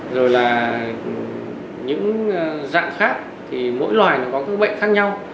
rồi là những dạng khác thì mỗi loài nó có các bệnh khác nhau